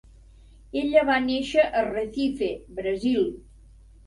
Ella va néixer a Recife, Brasil.